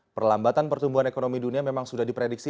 perlambatan pertumbuhan ekonomi dunia memang sudah diprediksi